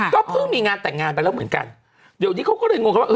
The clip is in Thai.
ก็เพิ่งมีงานแต่งงานไปแล้วเหมือนกันเดี๋ยวนี้เขาก็เลยงงกันว่า